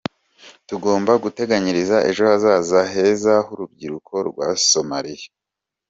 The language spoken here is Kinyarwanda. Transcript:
Tugomba guteganyiriza ejo hazaza heza h’urubyiruko rwa Somalia.